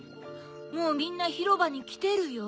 もうみんなひろばにきてるよ。